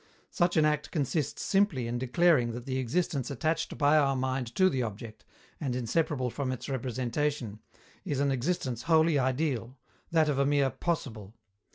Such an act consists simply in declaring that the existence attached by our mind to the object, and inseparable from its representation, is an existence wholly ideal that of a mere possible.